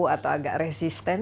atau agak resisten